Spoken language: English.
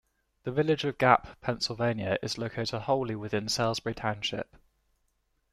The village of Gap, Pennsylvania is located wholly within Salisbury Township.